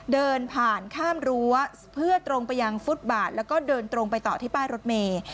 เดินผ่านข้ามรั้วเพื่อตรงไปยังฟุตบาทแล้วก็เดินตรงไปต่อที่ป้ายรถเมย์